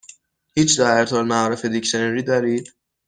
هیچ دائره المعارف دیکشنری دارید؟